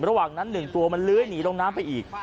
ระหว่างนั้น๑ตัวมันเลื้อยหนีลงน้ำไปอีก